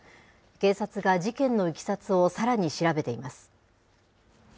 警察が事件のいきさつをさらに調べています。